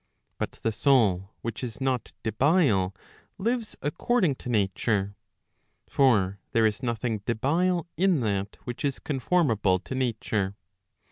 But the soul which is not debile lives according to nature. For there is nothing debile in that which is conformable to nature.